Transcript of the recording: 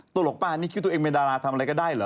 หลวงป้านี่คิดตัวเองเป็นดาราทำอะไรก็ได้เหรอ